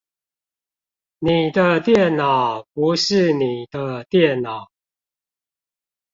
你的電腦不是你的電腦